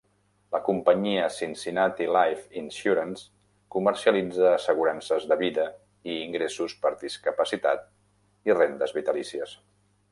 La companyia Cincinnati Life Insurance comercialitza assegurances de vida i ingressos per discapacitat i rendes vitalícies.